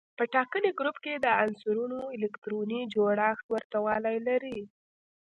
په ټاکلي ګروپ کې د عنصرونو الکتروني جوړښت ورته والی لري.